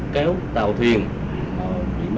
cứu tàu thuyền ra khỏi khu vực nguy hiểm